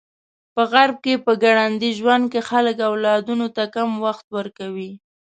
په غرب کې په ګړندي ژوند کې خلک اولادونو ته کم وخت ورکوي.